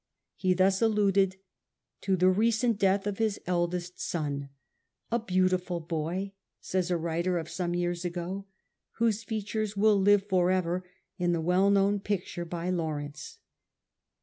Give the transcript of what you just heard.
He thus alluded to the recent death of his eldest son — c a beautiful boy,' says a writer of some years ago, 1 whose features will live for ever in the well known picture by Lawrence.